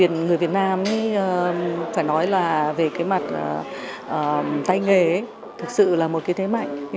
người việt nam phải nói là về cái mặt tay nghề thực sự là một cái thế mạnh